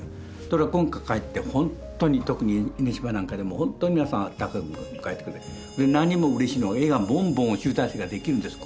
ところが今回帰ってほんとに特に家島なんかでもほんとに皆さんあったかく迎えてくれて何よりもうれしいのは絵がボンボン集大成ができるんです